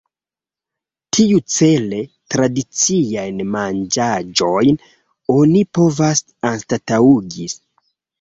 Tiucele, tradiciajn manĝaĵojn oni povas anstataŭigi.